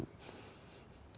tapi yang sembilan di sini